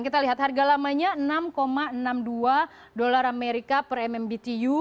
kita lihat harga lamanya enam enam puluh dua dolar amerika per mmbtu